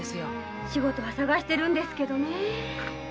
仕事は探してるんですけどね。